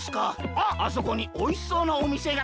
あっあそこにおいしそうなおみせが。